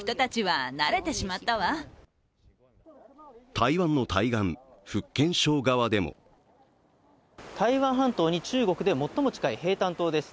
台湾の対岸、福建省側でも台湾半島に中国で最も近い平潭島です。